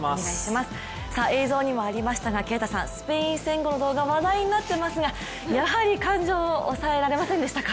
映像にもありましたが、スペイン戦後の動画が話題になっていますがやはり感情を抑えられませんでしたか？